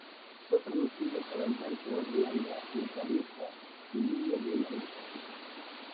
Fue producido por Alberto Rionda, guitarrista y líder de la agrupación.